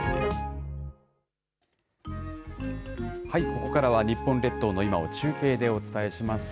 ここからは、日本列島の今を中継でお伝えします。